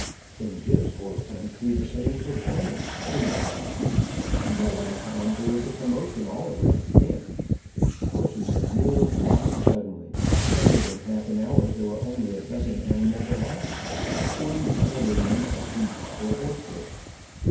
Then Jim's horse went through the same performance and died, and by that time there was a commotion all around camp, horses and mules dying suddenly, until within half an hour there were only a dozen animals alive, and forty cavalrymen, at least, were horseless.